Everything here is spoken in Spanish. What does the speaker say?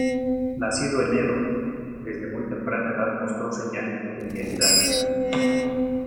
Nacido en Edo, desde muy temprana edad mostró señales de genialidad.